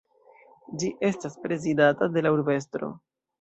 Ĝi estas prezidata de la urbestro.